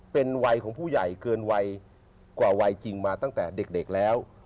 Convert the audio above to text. เป็นวัยของผู้ใหญ่เกินวัยกว่าวัยจริงมาตั้งแต่เด็กแล้ว